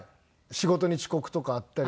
仕事に遅刻とかあったり。